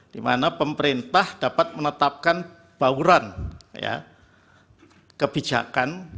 di mana pemerintah dapat menetapkan bauran kebijakan